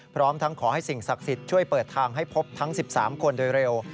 พร้อมทั้งขอให้สิ่งศักดิ์สิทธิ์ช่วยเปิดทางให้พบทั้ง๑๓คนโดยเร็ว